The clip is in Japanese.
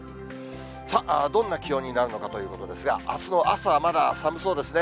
さあ、どんな気温になるのかということですが、あすの朝はまだ寒そうですね。